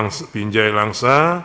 dan binjai langsa